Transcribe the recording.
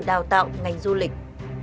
đào tạo ngành du lịch